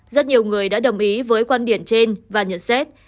rất nhiều người đã đồng ý với quan điểm trên và nhận xét